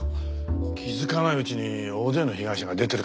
気づかないうちに大勢の被害者が出てるかもしれないな。